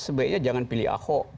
sebaiknya jangan pilih ahok